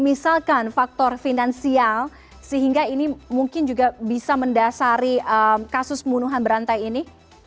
misalkan faktor finansial sehingga ini mungkin juga bisa mendasari kasus pembunuhan berantai ini